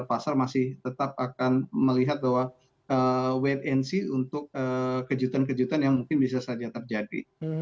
pasar masih tetap akan melihat bahwa wait and see untuk kejutan kejutan yang mungkin bisa saja terjadi